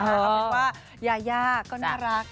คือว่ายายาก็น่ารัก